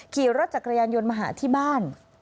ขี่รถจักรยานยนต์มาหาที่บ้าน